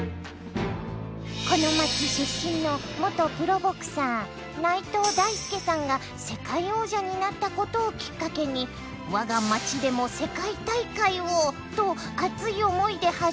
この町出身の元プロボクサー内藤大助さんが世界王者になったことをきっかけに「わが町でも世界大会を！」と熱い思いで始まったのが。